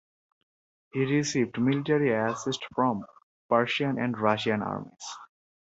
He received military assist from Prussian and Russian armies.